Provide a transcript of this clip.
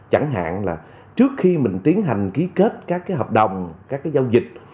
chẳng hạn là trước khi mình tiến hành ký kết các hợp đồng các giao dịch